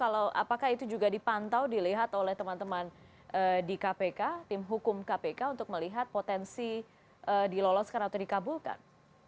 apakah itu juga dipantau dilihat oleh teman teman di kpk tim hukum kpk untuk melihat potensi diloloskan atau dikabulkan